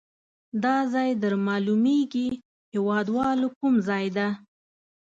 دا ځای در معلومیږي هیواد والو کوم ځای ده؟